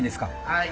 はい。